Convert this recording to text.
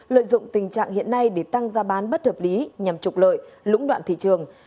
lợi dụng tình trạng hiện nay để tăng giá bán bất hợp lý nhằm trục lợi lũng đoạn thị trường